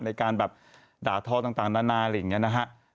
ในการแบบด่าทอต่างนานาอะไรอย่างนี้นะฮะ